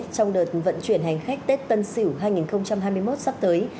trong đợt vận chuyển hành khách tết tân sỉu hai nghìn hai mươi một sắp tới